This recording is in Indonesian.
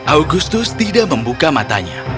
augustus tidak membuka matanya